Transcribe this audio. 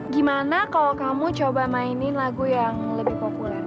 gimana kalau kamu coba mainin lagu yang lebih populer